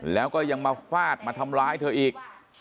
แล้วก็ยังมาฟาดมาทำร้ายเธออีก